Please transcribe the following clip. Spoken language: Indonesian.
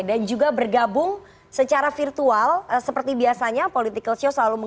dan juga bergabung secara virtual